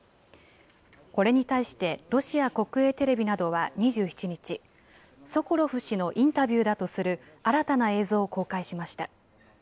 これに対して、ロシア国営テレビなどは２７日、ソコロフ氏のインタビューだとする新たな映像を公開しました。